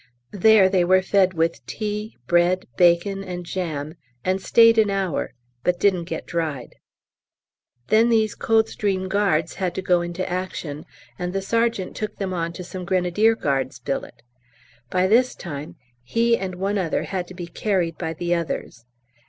There they were fed with tea, bread, bacon, and jam, and stayed an hour, but didn't get dried. Then these C.G.'s had to go into action, and the Sergt. took them on to some Grenadier Guards' billet. By this time he and one other had to be carried by the others.